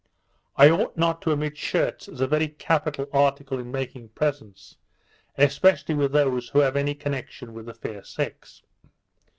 I ought not to omit shirts as a very capital article in making presents; especially with those who have any connexion with the fair sex.